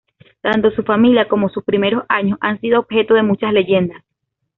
Tanto su familia como sus primeros años han sido objeto de muchas leyendas.